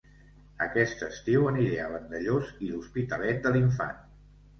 Aquest estiu aniré a Vandellòs i l'Hospitalet de l'Infant